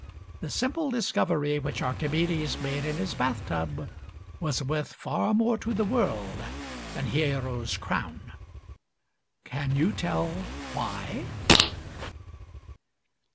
The simple discovery which Archimedes made in his bath tub was worth far more to the world than Hiero's crown. Can you tell why